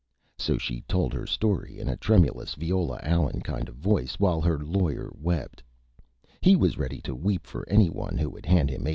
So she told her Story in a Tremulous, Viola Allen kind of Voice, while her Lawyer wept. [Illustration: MODERN SOLOMON] He was ready to Weep for anyone who would hand him $8.